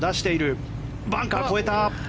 バンカーを越えた！